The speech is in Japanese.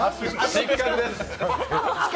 失格です。